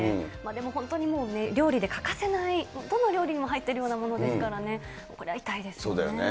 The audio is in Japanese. でも本当に、料理で欠かせない、どの料理にも入っているようなものですからね、これは痛いですよそうだよね。